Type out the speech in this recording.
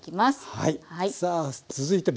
はい。